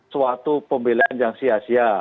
suatu pembelian yang sia sia